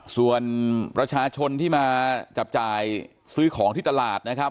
ส่วนประชาชนที่มาจับจ่ายซื้อของที่ตลาดนะครับ